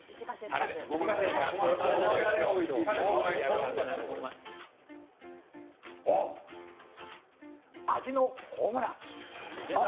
おっ、味のホームラン！